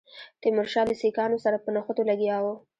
تیمورشاه له سیکهانو سره په نښتو لګیا وو.